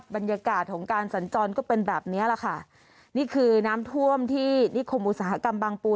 บรรยากาศของการศัลจรก็เป็นแบบนี้นี่คือน้ำท่วมที่นิคมอุตสาหกัมบังปู